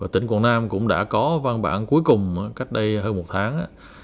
tỉnh quảng nam cũng đã có văn bản cuối cùng cách đây hơn một tháng